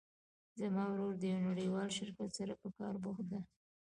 زما ورور د یو نړیوال شرکت سره په کار بوخت ده